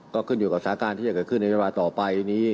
ก็ขึ้นอยู่กับสถานการณ์ที่จะเกิดขึ้นในเวลาต่อไปนี้